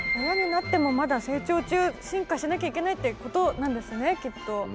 親になってもまだ成長中進化しなきゃいけないっていうことなんですよねきっと。